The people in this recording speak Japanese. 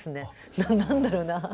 何だろうな。